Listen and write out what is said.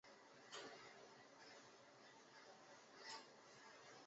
京都帝大法律系毕业。